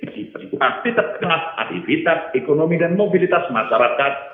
di perhitungan titik titik ativitas ekonomi dan mobilitas masyarakat